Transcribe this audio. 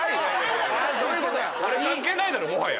俺関係ないだろもはや。